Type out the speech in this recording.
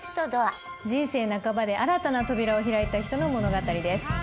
人生半ばで新たな扉を開いた人の物語です。